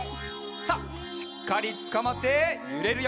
さあしっかりつかまってゆれるよ。